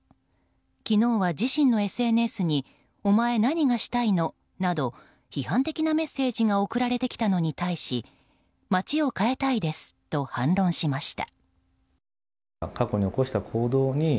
昨日は自身のＳＮＳに「おまえ何がしたいの？」など批判的なメッセージが送られてきたのに対し街を変えたいですと反論しました。